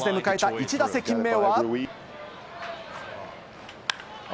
１打席目は。